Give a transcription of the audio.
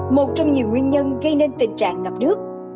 một trong nhiều nguyên nhân gây nên tình trạng ngập nước